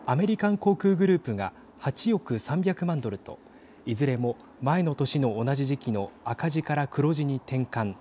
航空グループが８億３００万ドルといずれも前の年の同じ時期の赤字から黒字に転換。